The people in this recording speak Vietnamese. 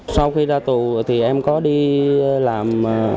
sau khi ra tù thì em có đi làm